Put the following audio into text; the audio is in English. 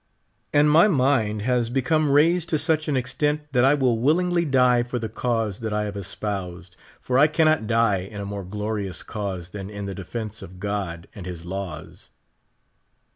And my mind has become raised to such an ex tent that I will willingly die for the cause that I have espoused ; for I cannot die in a more glorious cause than in the defense of God and his laws.